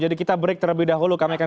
jadi kita break terlebih dahulu kami akan